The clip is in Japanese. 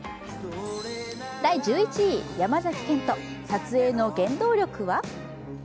第１１位、山崎賢人、撮影の原動力は。